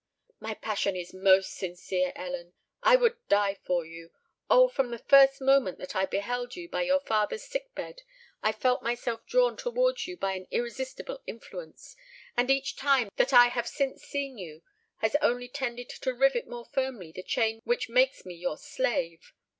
"My passion is most sincere, Ellen. I would die for you! Oh! from the first moment that I beheld you by your father's sick bed, I felt myself drawn towards you by an irresistible influence; and each time that I have since seen you has only tended to rivet more firmly the chain which makes me your slave.